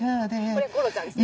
これ吾郎ちゃんですね